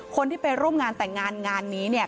คนที่ไปร่วมงานแต่งงานงานนี้เนี่ย